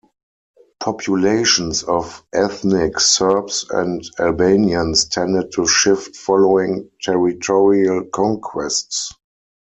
Populations of ethnic Serbs and Albanians tended to shift following territorial conquests.